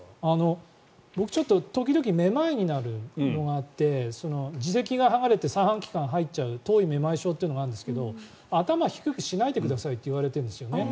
僕、ちょっと時々めまいになるのがあって耳石が剥がれて三半規管に入っちゃう症状があるんですが頭、低くしないでくださいって言われるんですよね。